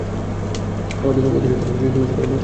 আমায় অতিসত্বর সেখানে পৌঁছাতে হবে।